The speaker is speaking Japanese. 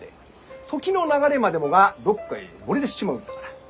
時の流れまでもがどっかへ漏れ出しちまうんだから。